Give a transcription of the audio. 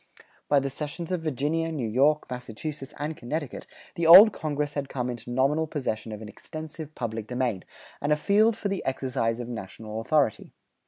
By the cessions of Virginia, New York, Massachusetts, and Connecticut, the Old Congress had come into nominal possession of an extensive public domain, and a field for the exercise of national authority.